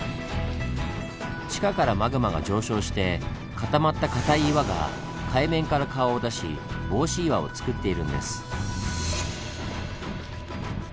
地下からマグマが上昇して固まった硬い岩が海面から顔を出し帽子岩をつくっているんです。